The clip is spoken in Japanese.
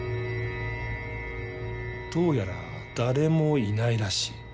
どうやら誰もいないらしい。